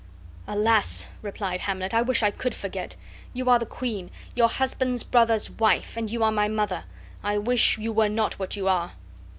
"Alas!" replied Hamlet, "I wish I could forget. You are the queen, your husband's brother's wife; and you are my mother. I wish you were not what you are."